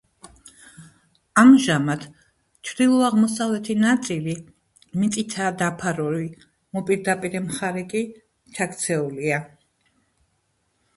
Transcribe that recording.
ამჟამად, ჩრდილო-აღმოსავლეთი ნაწილი მიწითაა დაფარული, მოპირდაპირე მხარე კი ჩაქცეულია.